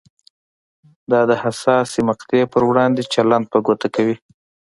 دا د حساسې مقطعې پر وړاندې چلند په ګوته کوي.